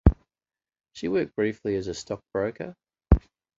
She worked briefly as a stockbroker.